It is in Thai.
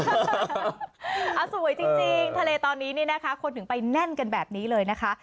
สวยจริงทะเลตอนนี้เนี่ยนะคะคนถึงไปแน่นกันแบบนี้เลยนะคะ